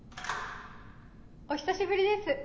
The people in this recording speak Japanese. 「お久しぶりです。